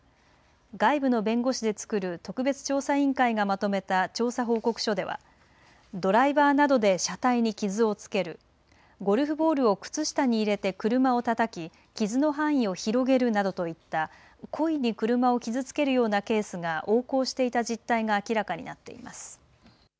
外部の弁護士でつくる特別調査委員会がまとめた調査報告書ではドライバーなどで車体に傷をつけるゴルフボールを靴下に入れて車をたたき傷の範囲を広げるなどといった故意に車を傷つけるようなケースが横行していた実態が明らかになっています。